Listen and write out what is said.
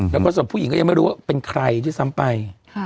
แล้วก็ส่วนผู้หญิงก็ยังไม่รู้ว่าเป็นใครด้วยซ้ำไป